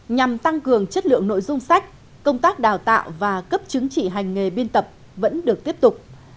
nhằm tăng cường chất lượng nội dung sách công tác đào tạo và cấp chứng chỉ hành nghề biên tập vẫn được tiếp tục